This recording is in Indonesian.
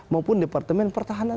maupun departemen pertahanan